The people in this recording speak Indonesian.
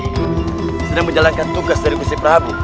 udah berjalan menjalankan tugas dari negoci perahabu